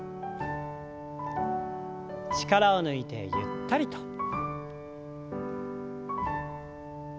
力を抜いてゆったりと。